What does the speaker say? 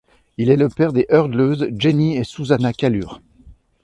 Il est le père des hurdleuses Jenny et Susanna Kallur.